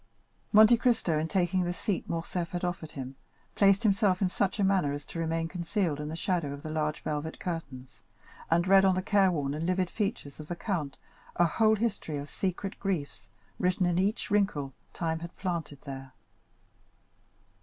Monte Cristo, in taking the seat Morcerf offered him, placed himself in such a manner as to remain concealed in the shadow of the large velvet curtains, and read on the careworn and livid features of the count a whole history of secret griefs written in each wrinkle time had planted there.